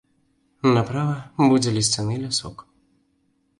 Направа будзе лісцяны лясок.